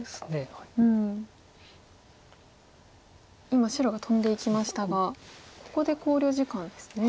今白がトンでいきましたがここで考慮時間ですね。